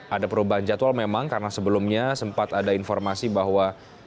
ada perubahan jadwal memang karena sebelumnya sempat ada informasi bahwa